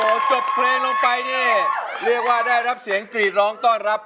โอ้โหจบเพลงลงไปนี่เรียกว่าได้รับเสียงกรีดร้องต้อนรับ